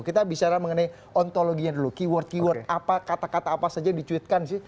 kita bicara mengenai ontologinya dulu keyword keyword apa kata kata apa saja yang dicuitkan sih